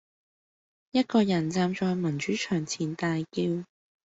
一個人站在民主牆前大叫